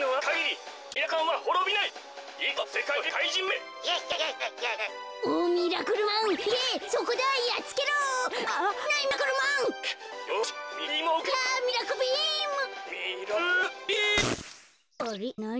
あれ？